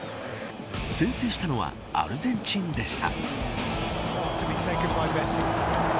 先制したのはアルゼンチンでした。